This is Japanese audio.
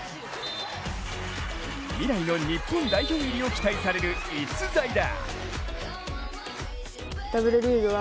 未来の日本代表入りを期待される逸材だ。